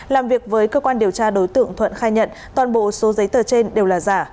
làm việc với cơ quan điều tra đối tượng thuận khai nhận toàn bộ số giấy tờ trên đều là giả